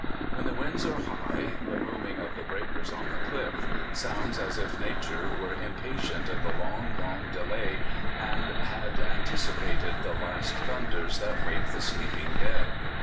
When the winds are high, the booming of the breakers on the cliff sounds as if nature were im patient of the long, long delay, and had antici pated the last thunders that wake the sleeping dead.